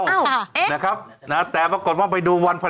เดินทางแรกนึกว่าเป็นของเรา